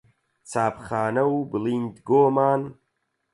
چاپخانە و بڵیندگۆمان